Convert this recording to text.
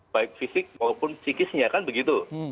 baik fisik maupun psikisnya kan begitu